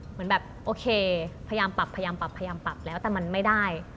เหมือนแบบโอเคพยายามปรับแล้วแต่มันไม่ได้